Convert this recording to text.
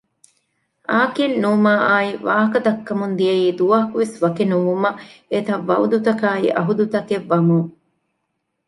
އާކިން ނޫމާއާއި ވާހަކަ ދައްކަމުން ދިޔައީ ދުވަހަކުވެސް ވަކިނުވުމަށް އެތައް ވައުދު ތަކަކާއި އަހުދު ތަކެއް ވަމުން